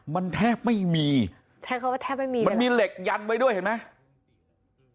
มันแทบไม่มีใช้คำว่าแทบไม่มีมันมีเหล็กยันไว้ด้วยเห็นไหม